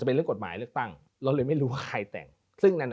เป็นความ่ายังไม่รู้ว่าใครแต่ง